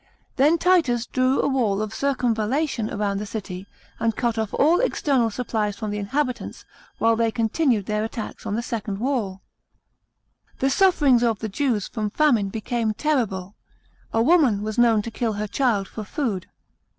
Then Titus drew a wall of circumvallation round the city, and cut oft all external supplies from the inhabitants, while they continued their attacks on the second wall. The sufferings of the Jews from famine became terrible ; a woman was known to kill her child for food.